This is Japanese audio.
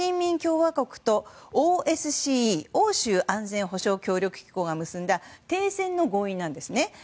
共和国とＯＳＣＥ・欧州安全保障協力機構が結んだ停戦の合意なんです。